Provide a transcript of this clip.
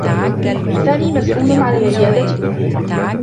سامي مسؤول على العيادة كلّها.